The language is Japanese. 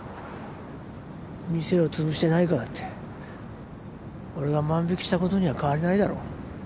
店をつぶしてないからって俺が万引きしたことには変わりないだろ？